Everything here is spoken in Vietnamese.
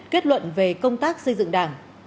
kết luận về công tác xây dựng đảng